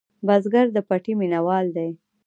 بزګر د پټي مېنهوال دی